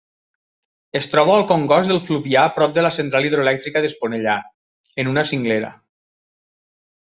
Es troba al congost del Fluvià prop de la central hidroelèctrica d'Esponellà, en una cinglera.